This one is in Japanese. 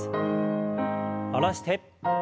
下ろして。